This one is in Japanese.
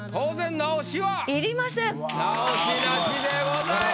直しなしでございます！